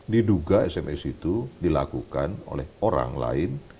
diduga sms itu dilakukan oleh orang lain